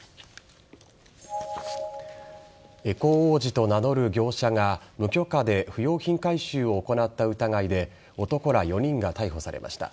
エコ王子と名乗る業者が無許可で不用品回収を行った疑いで男ら４人が逮捕されました。